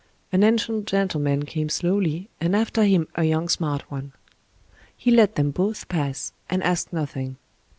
An ancient gentleman came slowly, and after him a young smart one. He let them both pass and asked noth ing.